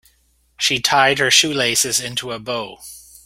She tied her shoelaces into a bow.